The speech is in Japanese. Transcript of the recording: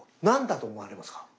何だと思われますか？